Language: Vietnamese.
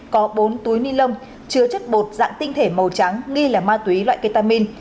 có bốn túi ni lông chứa chất bột dạng tinh thể màu trắng nghi là ma túy loại ketamin